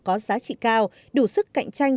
có giá trị cao đủ sức cạnh tranh